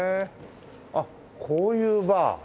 あっこういうバー。